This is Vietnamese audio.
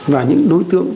và những đối tượng